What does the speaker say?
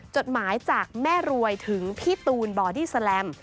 จดหมายจากแม่รวยถึงพี่ตูนบอดี้แลม